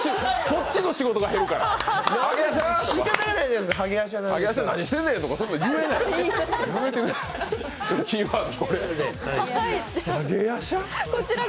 こっちの仕事が減るから。